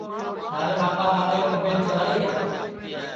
تھارے ٻاپ دؔادؔین مُبیل چلائی ہے